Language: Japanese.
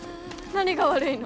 何が悪いの？